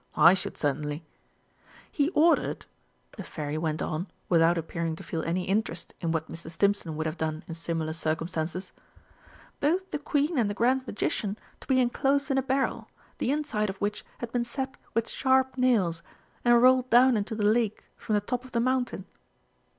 "I should certainly " "He ordered," the Fairy went on, without appearing to feel any interest in what Mr. Stimpson would have done in similar circumstances, "both the Queen and the Grand Magician to be enclosed in a barrel, the inside of which had been set with sharp nails, and rolled down into the lake from the top of the mountain."